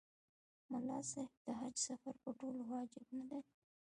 ملا صاحب د حج سفر په ټولو واجب نه دی.